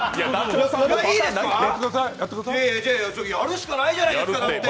やるしかないじゃないですか、だって。